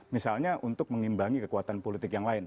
misalnya untuk mengimbangi kekuatan politik yang lain